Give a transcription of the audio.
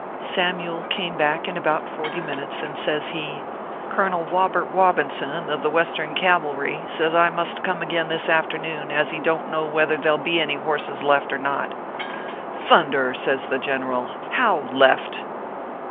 Samyule came back in about forty minutes, and says he :" Colonel Wobert Wobinson, of the Western Cav alry, says I must come again this afternoon, as he don t know whether there ll be any horses left or not." " Thunder !" says the General. " How left